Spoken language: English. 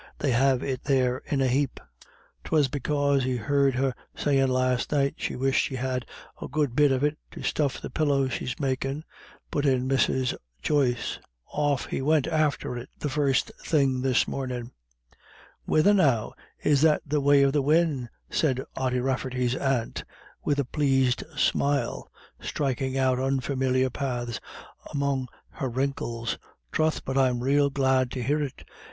They have it there in a hape." "'Twas because he heard her sayin' last night she wished she had a good bit of it to stuff the pillow she's makin' me," put in Mrs. Joyce. "Off he went after it the first thing this mornin'." "Whethen now, is that the way of the win'?" said Ody Rafferty's aunt, with a pleased smile, striking out unfamiliar paths among her wrinkles. "Troth, but I'm rael glad to hear it.